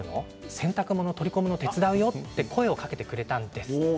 洗濯物取り込むの手伝うよと声をかけてくれたんです。